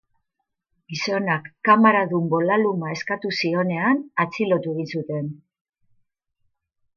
Gizonak kamaradun bolaluma eskatu zionean atxilotu egin zuten.